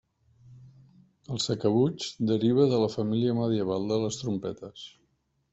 El sacabutx deriva de la família medieval de les trompetes.